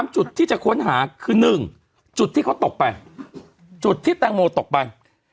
จุดที่จะค้นหาคือ๑จุดที่เขาตกไปจุดที่แตงโมตกไป